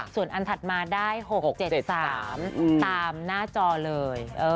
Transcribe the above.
ส่วนอันถัดมาได้๖๗๓ตามหน้าจอเลย